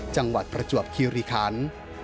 จังหวัดประจวบคิริคัน